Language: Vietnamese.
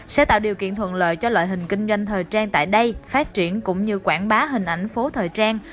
sẽ tạo điều kiện thuận lợi cho loại hình kinh doanh thời trang tại đây phát triển cũng như quảng bá hình ảnh phố thời trang